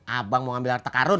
abang mau ambil harta karun